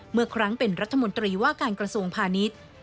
เมื่อครั้งเป็นรัฐมนตรีว่าการกระทรวงพาณิชย์